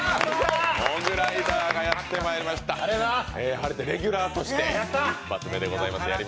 晴れてレギュラーとして１発目でございます。